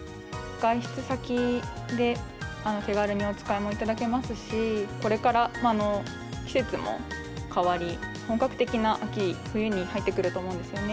外出先で手軽にお使いもいただけますし、これから季節も変わり、本格的な秋冬に入ってくると思うんですよね。